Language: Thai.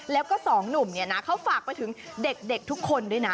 แล้วก็สองหนุ่มเนี่ยนะเขาฝากไปถึงเด็กทุกคนด้วยนะ